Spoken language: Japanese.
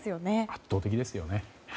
圧倒的ですよね。